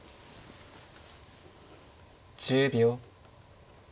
１０秒。